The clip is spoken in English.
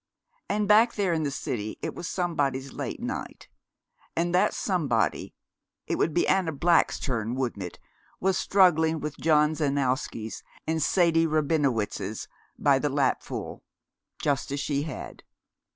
And back there in the city it was somebody's late night, and that somebody it would be Anna Black's turn, wouldn't it? was struggling with John Zanowskis and Sadie Rabinowitzes by the lapful, just as she had.